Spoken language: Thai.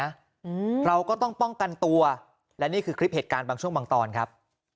อืมเราก็ต้องป้องกันตัวและนี่คือคลิปเหตุการณ์บางช่วงบางตอนครับ